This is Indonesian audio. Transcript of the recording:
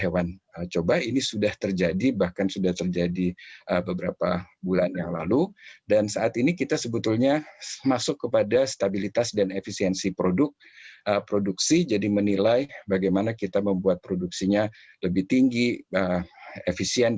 vaksin dna lebih cepat pengembangkan